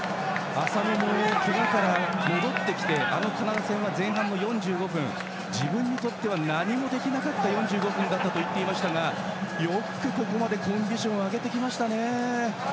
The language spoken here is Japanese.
浅野もけがから戻ってきてあのカナダ戦は前半の４５分自分にとっては何もできなかった４５分だと言っていましたがよくここまでコンディションを上げてきましたね。